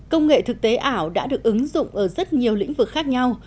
công nghệ thực tế ảo đã được ứng dụng ở rất nhiều lĩnh vực khác nhau